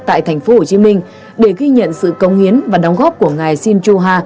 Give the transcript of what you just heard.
tại thành phố hồ chí minh để ghi nhận sự công hiến và đóng góp của ngài shin ju ha